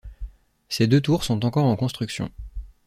Ces deux tours sont encore en construction.